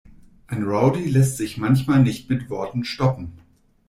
Ein Rowdy lässt sich manchmal nicht mit Worten stoppen.